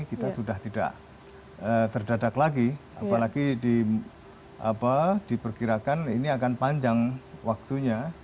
kita sudah tidak terdadak lagi apalagi diperkirakan ini akan panjang waktunya